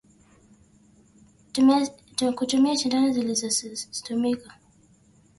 Kutumia sindano zilizotumika